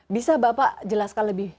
bisa bapak jelaskan lebih